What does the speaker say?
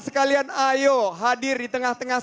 sekalian ayo hadir di tengah tengah